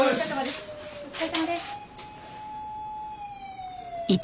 お疲れさまです。